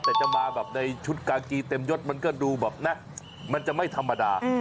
แต่จะมาแบบในชุดกากีเต็มยดมันก็ดูแบบนะมันจะไม่ธรรมดา